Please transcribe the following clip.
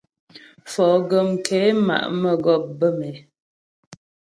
Foguəm ké ma' mə́gɔp bə̌m é.